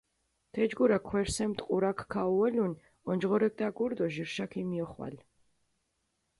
თეჯგურა ქვერსემ ტყურაქ ქაუოლუნ, ონჯღორექ დაგურჷ დო ჟირშა ქომიოხვალ.